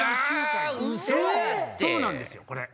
そうなんですよこれ。